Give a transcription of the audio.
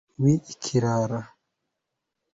w'ikirara